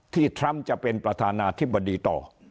ทรัมป์จะเป็นประธานาธิบดีต่อ